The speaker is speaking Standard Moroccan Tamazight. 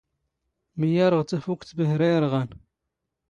ⵎⵢⴰⵔⵖ ⵜⴰⴼⵓⴽⵜ ⴱⴰⵀⵔⴰ ⵉⵔⵖⴰⵏ.